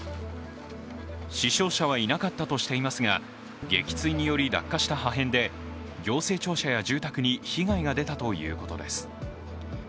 死傷者はいなかったとしていますが、撃墜により落下した破片で行政庁舎や住宅に被害が出たということです。